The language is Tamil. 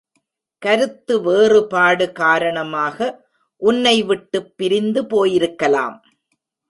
கருத்து வேறுபாடு காரணமாக உன்னைவிட்டுப் பிரிந்து போயிருக்கலாம்.